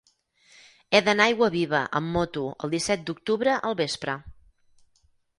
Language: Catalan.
He d'anar a Aiguaviva amb moto el disset d'octubre al vespre.